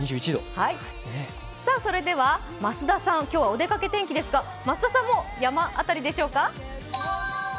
それでは、増田さん今日はお出かけ天気ですか、増田さんも山辺りでしょうか？